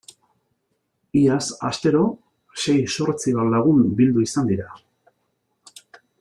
Iaz astero sei zortzi bat lagun bildu izan dira.